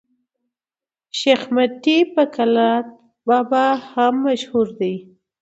شېخ متي په کلات بابا هم مشهور دئ.